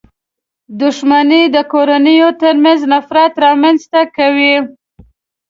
• دښمني د کورنيو تر منځ نفرت رامنځته کوي.